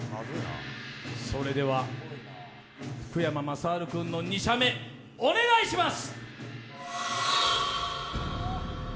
それでは福山雅治君の２射目お願いします。